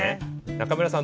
中村さん